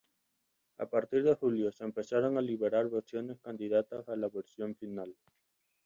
A partir de julio, se empezaron a liberar versiones candidatas a la versión final.